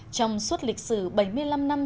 trong suốt lịch sử bảy mươi năm năm